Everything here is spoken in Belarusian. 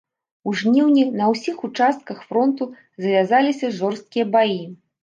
У жніўні на ўсіх участках фронту завязаліся жорсткія баі.